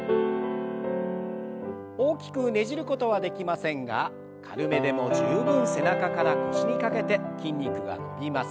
大きくねじることはできませんが軽めでも十分背中から腰にかけて筋肉が伸びます。